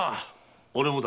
俺もだ